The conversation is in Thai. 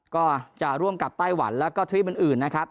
ก็จะร่วมกับไต้หวันแล้วก็ทรีปอื่นนะครับ